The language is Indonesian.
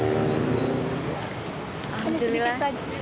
ini sedikit saja